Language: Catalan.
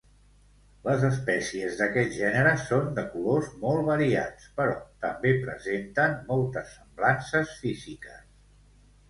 Les espècies d'aquest gènere són de colors molt variats, però també presenten moltes semblances físiques.